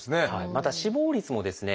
また死亡率もですね